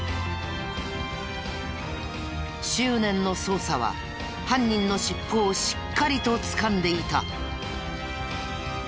執念の捜査は犯人の尻尾をしっかりとつかんでいた。